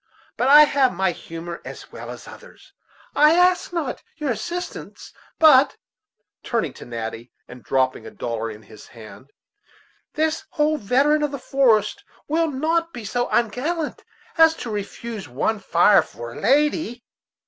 But I have my humor as well as others. I ask not your assistance, but" turning to Natty, and dropping a dollar in his hand "this old veteran of the forest will not be so ungallant as to refuse one fire for a lady."